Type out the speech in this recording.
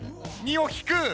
２を引く！